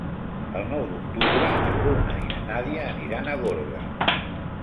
El nou d'octubre na Bruna i na Nàdia aniran a Gorga.